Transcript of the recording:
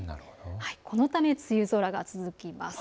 このため梅雨空が続きます。